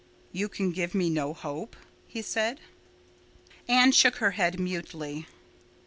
"You can give me no hope?" he said. Anne shook her head mutely.